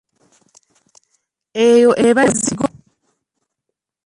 Eyo eba zigote.